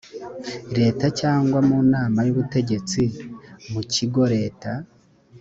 leta cyangwa mu nama y ubutegetsi mu kigo leta